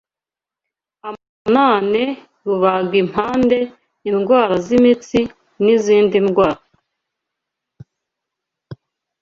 amavunane, rubagimpande, indwara z’imitsi, n’izindi ndwara